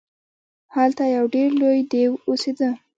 هلته یو ډیر لوی دیو اوسیده.